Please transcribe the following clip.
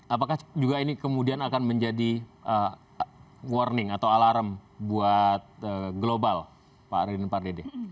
apakah juga ini kemudian akan menjadi warning atau alarm buat global pak rudin pardede